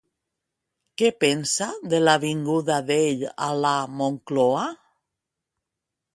Què pensa de la vinguda d'ell a la Moncloa?